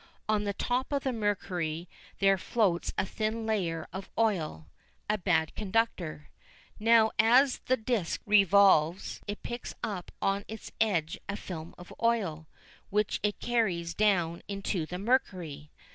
On the top of the mercury there floats a thin layer of oil, a bad conductor. Now as the disc revolves it picks up on its edge a film of oil, which it carries down into the mercury.